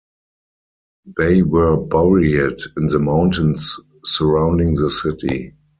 They were buried in the mountains surrounding the city.